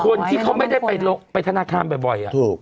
คนที่เขาไม่ได้ไปธนาคารบ่อย